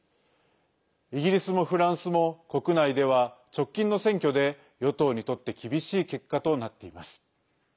イギリスもフランスも国内では直近の選挙で与党にとって厳しい結果となっています。